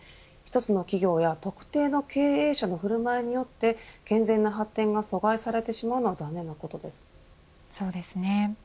１つの企業や特定の経営者の振る舞いによって健全な発展が阻害されてしまうのはそうですね。